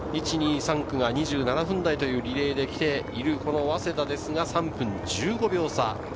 １、２、３区が２７分台というリレーできているこの早稲田ですが、３分１５秒差。